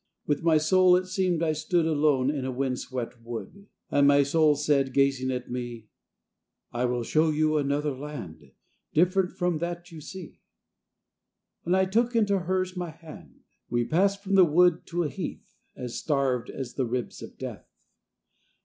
With my soul, it seemed, I stood Alone in a wind swept wood. And my soul said, gazing at me, "I will show you another land Different from that you see," And took into hers my hand. We passed from the wood to a heath As starved as the ribs of Death.